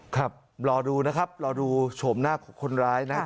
ครับรอดูนะครับรอดูโฉมหน้าคนร้ายนะ